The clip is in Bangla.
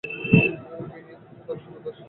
বেনিইয়েইটস থেকে দারুণ সুগন্ধ আসছে।